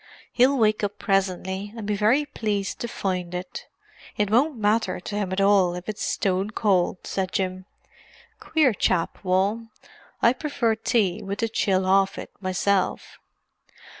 "He'll wake up presently and be very pleased to find it; it won't matter to him at all if it's stone cold," said Jim. "Queer chap, Wal. I prefer tea with the chill off it, myself.